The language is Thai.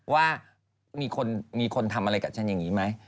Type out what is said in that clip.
ว่ามีคนทำอะไรกับฉันอย่างนี้ไหม